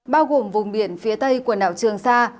bao gồm vùng biển phía tây quần đảo trường sa